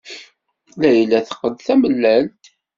Layla teqqel d tamellalt.